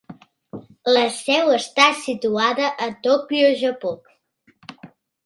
La seu està situada a Tòquio, Japó.